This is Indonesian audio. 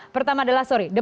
pertama adalah sorry